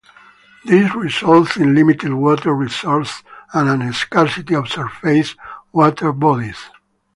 This results in limited water resources and a scarcity of surface water bodies.